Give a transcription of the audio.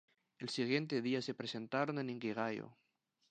El siguiente día se presentaron en Inkigayo.